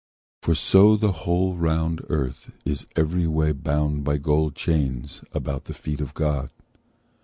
For so the whole round earth is every way Bound by gold chains about the feet of God.